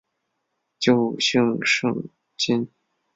旧姓胜津。